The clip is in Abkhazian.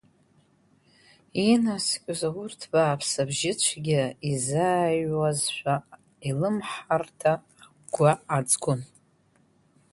Инаскьоз аурҭ бааԥс абжьыцәгьа изааҩуазшәа илымҳарҭа агәгәа аҵгон…